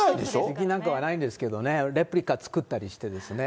できなくはないんですけどね、レプリカ作ったりしてですね。